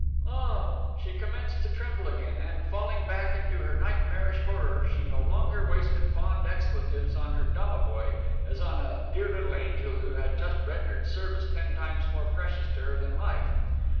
"Ah!" She commenced to tremble again, and, falling back into her nightmarish horror, she no longer wasted fond expletives on her domovoi as on a dear little angel who had just rendered a service ten times more precious to her than life.